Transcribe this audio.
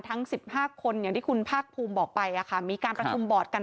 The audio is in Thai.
ทั้ง๑๕คนอย่างที่คุณภาคภูมิบอกไปมีการประชุมบอร์ดกัน